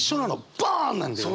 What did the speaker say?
バンなんだよね。